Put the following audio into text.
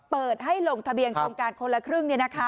เปิดให้ลงทะเบียนโครงการคนละครึ่ง